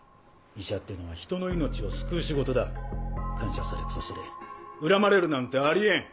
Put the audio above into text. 医者ってのは人の命を救う仕事だ。感謝されこそすれ恨まれるなんてあり得ん！